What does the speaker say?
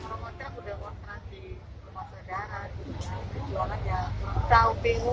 orang orang yang sudah berjualan di rumah sedara berjualan yang terlalu bingung